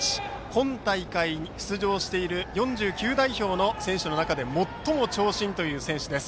今大会出場している４９代表の選手の中で最も長身という選手です。